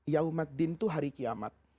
yaumaddin itu hari kiamat